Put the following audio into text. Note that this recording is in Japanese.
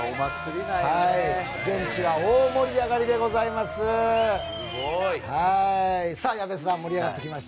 現地は大盛り上がりでございます。